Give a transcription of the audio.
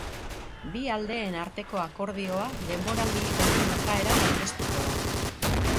Bi aldeen arteko akordioa denboraldi honen bukaeran aurkeztuko da.